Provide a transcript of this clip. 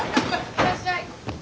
いらっしゃい。